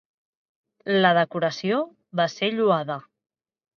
La decoració va ser lloada.